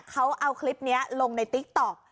เขาเอาคลิปนี้ลงในติ๊กต๊อก